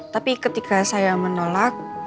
tapi ketika saya menolak